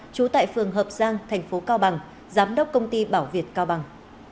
trú tại phường hợp giang thành phố cao bằng giám đốc công ty bảo việt cao bằng